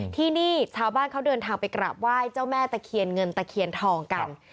ที่นี่ชาวบ้านเขาเดินทางไปกราบไหว้เจ้าแม่ตะเคียนเงินตะเคียนทองกัน